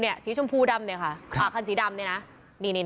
เลิกเลิกเลิกเลิกเลิกเลิกเลิกเลิก